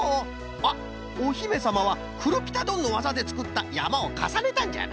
あっおひめさまはクルピタドンのわざでつくったやまをかさねたんじゃな。